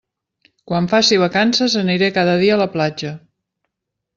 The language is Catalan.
Quan faci vacances aniré cada dia a la platja.